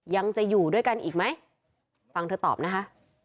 ยังจะอยู่ด้วยกันอีกไหมฟังเธอตอบนะคะ